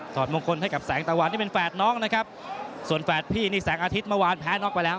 อดมงคลให้กับแสงตะวันนี่เป็นแฝดน้องนะครับส่วนแฝดพี่นี่แสงอาทิตย์เมื่อวานแพ้น็อกไปแล้ว